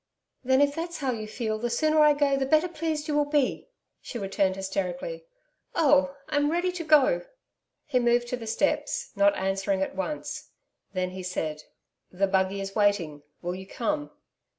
'Then, if that's how you feel, the sooner I go the better pleased you will be,' she returned hysterically. 'Oh, I'm ready to go.' He moved to the steps, not answering at once. Then he said: 'The buggy is waiting, will you come?'